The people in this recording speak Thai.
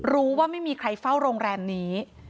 รู้ว่าไม่มีใครเฝ้าโรงแรมนี้